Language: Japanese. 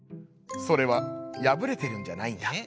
「それはやぶれてるんじゃないんだ」。